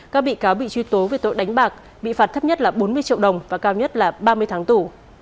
các bị cáo bị truy tố về tội đánh bạc bị phạt thấp nhất là bốn mươi triệu đồng và cao nhất là ba mươi tháng tù